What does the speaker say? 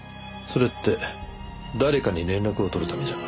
それって誰かに連絡を取るためじゃ。